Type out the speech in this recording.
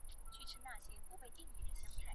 该庙是察哈尔地区镶白旗的旗庙。